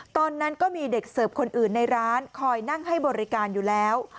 ตอนนั้นก็มีเด็กเสิร์ฟคนอื่นในร้านคอยนั่งให้บริการอยู่แล้ว